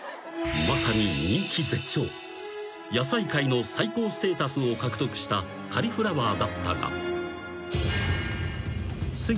［野菜界の最高ステータスを獲得したカリフラワーだったが］